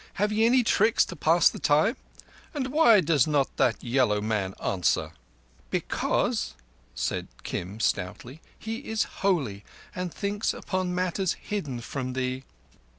"Have ye any tricks to pass the time? Why does not that yellow man answer?" "Because," said Kim stoutly, "he is holy, and thinks upon matters hidden from thee."